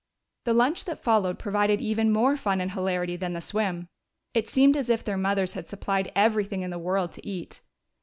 The lunch that followed provided even more fun and hilarity than the swim. It seemed as if their mothers had supplied everything in the world to eat.